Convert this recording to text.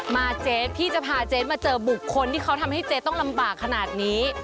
เจ๊พี่จะพาเจ๊มาเจอบุคคลที่เขาทำให้เจ๊ต้องลำบากขนาดนี้